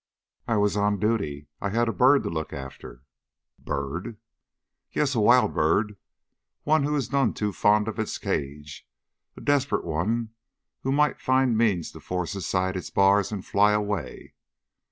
"I was on duty; I had a bird to look after." "A bird?" "Yes, a wild bird; one who is none too fond of its cage; a desperate one who might find means to force aside its bars and fly away."